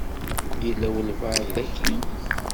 Yella walebɛaḍ daki?